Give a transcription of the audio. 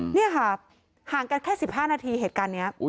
นี่ค่ะห่างกันแค่๑๕นาทีเหตุการณ์นี้